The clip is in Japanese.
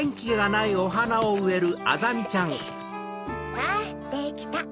さぁできた。